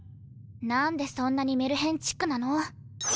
何でそんなにメルヘンチックなの？